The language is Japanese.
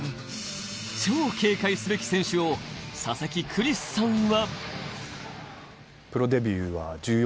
超警戒すべき選手を佐々木クリスさんは。